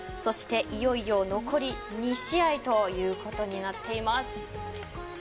いよいよ残り２試合ということになっています。